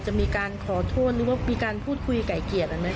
มีการขอโทษหรือว่ามีการพูดคุยไก่เกลียดอะไรไหม